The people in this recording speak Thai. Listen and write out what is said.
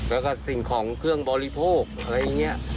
แล้วก็สิ่งของเครื่องบริโภคอะไรอย่างนี้